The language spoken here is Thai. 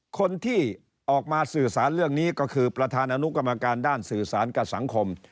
คนที่ออกมาสื่อสารเรื่องนี้ก็คือประธานอนุกรรมการด้านสื่อสารกับสังคม